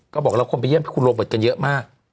เขาบอกว่าคนไปเยี่ยมคุณโรเบิร์ตกันเยอะมาก